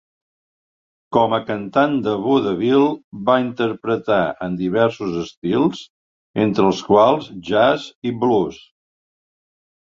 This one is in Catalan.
Com a cantant de vodevil va interpretar en diversos estils, entre els quals jazz i blues.